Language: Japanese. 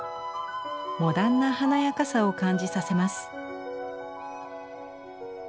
モダンな華やかさを感じさせます。